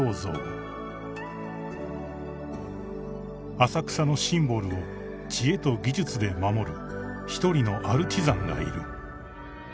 ［浅草のシンボルを知恵と技術で守る一人のアルチザンがいる］